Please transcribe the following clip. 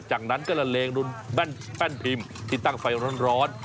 จากนั้นก็ละเลงนุนแป้นพิมพ์ที่ตั้งไฟร้อน